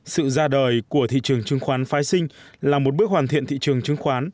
sự ra đời của thị trường chứng khoán phái sinh là một bước hoàn thiện thị trường chứng khoán